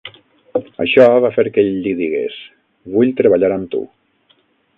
Això va fer que ell li digués: Vull treballar amb tu.